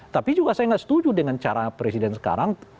tapi juga saya nggak setuju dengan cara presiden sekarang